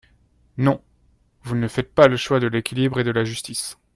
Non, vous ne faites pas le choix de l’équilibre et de la justice.